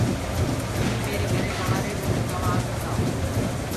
تمينٚ ميري گھري سورآري روٽي کآوآ آ سڪدآ هو۔